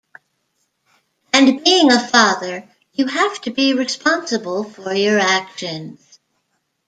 And being a father, you have to be responsible for your actions.